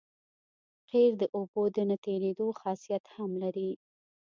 قیر د اوبو د نه تېرېدو خاصیت هم لري